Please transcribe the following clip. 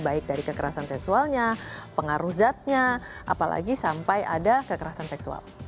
baik dari kekerasan seksualnya pengaruh zatnya apalagi sampai ada kekerasan seksual